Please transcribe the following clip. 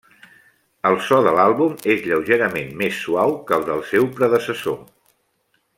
El so de l'àlbum és lleugerament més suau que el del seu predecessor.